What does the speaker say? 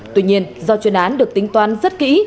tuy nhiên do chuyên án được tính toán rất kỹ